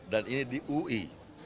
dan ini di ui